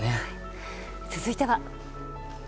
続いては。